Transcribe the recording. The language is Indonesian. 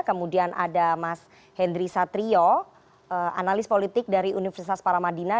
kemudian ada mas henry satrio analis politik dari universitas paramadina